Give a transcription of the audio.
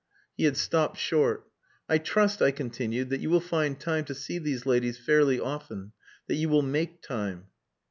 He had stopped short. "I trust," I continued, "that you will find time to see these ladies fairly often that you will make time."